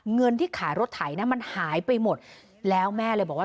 เงินที่ขายรถไถนะมันหายไปหมดแล้วแม่เลยบอกว่า